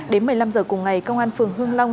đến một mươi năm h cùng ngày công an phường hương long